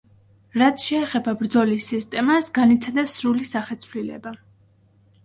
რაც შეეხება ბრძოლის სისტემას, განიცადა სრული სახეცვლილება.